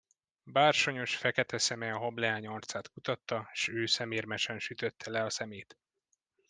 Bársonyos, fekete szeme a hableány arcát kutatta, s ő szemérmesen sütötte le a szemét.